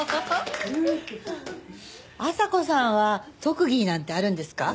阿佐子さんは特技なんてあるんですか？